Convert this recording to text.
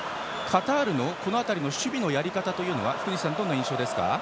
カタールのこの辺りの守備のやり方は福西さん、どんな印象ですか。